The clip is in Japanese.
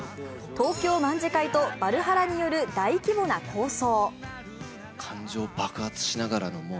東京卍會と芭流覇羅による大規模な抗争。